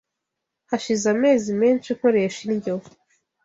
Hashize amezi menshi nkoresha indyo